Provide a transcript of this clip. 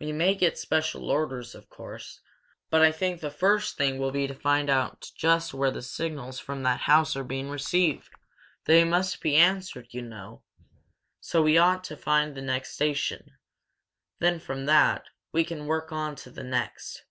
"We may get special orders, of course," said Harry. "But I think the first thing will be to find out just where the signals from that house are being received. They must be answered, you know, so we ought to find the next station. Then, from that, we can work on to the next."